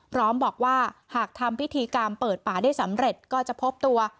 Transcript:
พร้อมบอกว่าหากทำพิธีกรรมเปิดป่าได้สำเร็จก็จะพบตัว